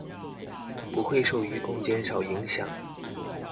不會受漁工減少影響